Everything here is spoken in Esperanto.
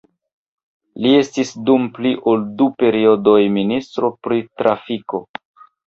Li estis dum pli ol du periodoj ministro pri trafiko.